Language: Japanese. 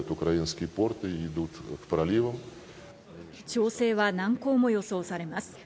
調整は難航も予想されます。